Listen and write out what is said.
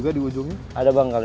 gener nimu pelo dengan kule